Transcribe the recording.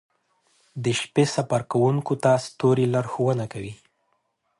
• د شپې سفر کوونکي ستوري لارښونه کوي.